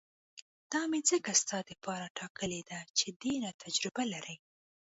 دا مې ځکه ستا دپاره ټاکلې ده چې ډېره تجربه لري.